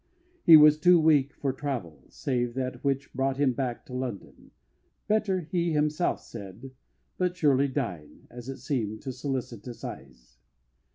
He was too weak for any travel, save that which brought him back to London better, he himself said, but surely dying, as it seemed to solicitous eyes.